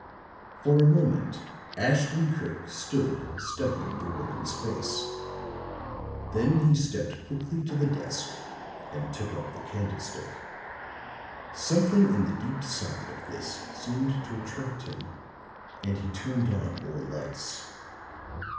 For a moment Ashton Kirk stood studying the woman's face; then he stepped quickly to the desk and took up the candlestick. Something in the deep socket of this seemed to attract him and he turned on more lights.